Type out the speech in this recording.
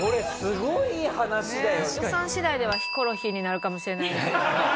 予算次第ではヒコロヒーになるかもしれないですけどもね。